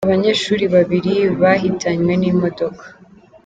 Abanyeshuri babiri bahitanywe n’imodoka